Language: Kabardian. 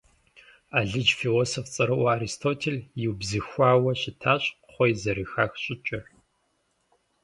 Алыдж философ цӀэрыӀуэ Аристотель иубзыхуауэ щытащ кхъуей зэрыхах щӀыкӀэр.